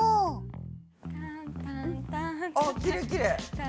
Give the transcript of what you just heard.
ああきれいきれい。